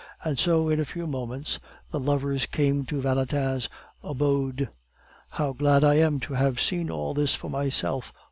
And so in a few moments the lovers came to Valentin's abode. "How glad I am to have seen all this for myself!"